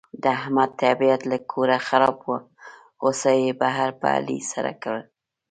د احمد طبیعت له کوره خراب و، غوسه یې بهر په علي سړه کړه.